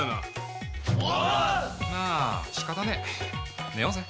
まあ仕方ねえ寝ようぜ。